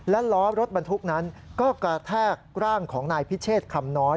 และล้อรถบรรทุกนั้นก็กระแทกร่างของนายพิเชษคำน้อย